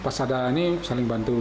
pas ada ini saling bantu